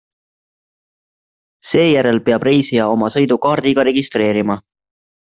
Seejärel peab reisija oma sõidu kaardiga registreerima.